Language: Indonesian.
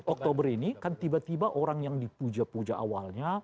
oktober ini kan tiba tiba orang yang dipuja puja awalnya